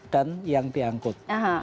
dan yang diangkut